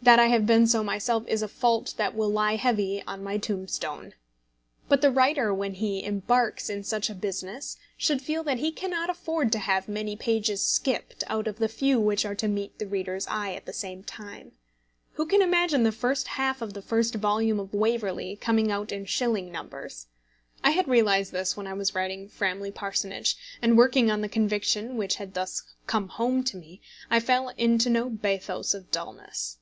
That I have been so myself is a fault that will lie heavy on my tombstone. But the writer when he embarks in such a business should feel that he cannot afford to have many pages skipped out of the few which are to meet the reader's eye at the same time. Who can imagine the first half of the first volume of Waverley coming out in shilling numbers? I had realised this when I was writing Framley Parsonage; and working on the conviction which had thus come home to me, I fell into no bathos of dulness.